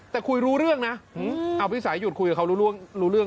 แต่คุยรู้เรื่องนะเอาพี่สายหยุดคุยกับเขารู้เรื่อง